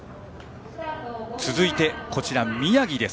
続いて宮城です。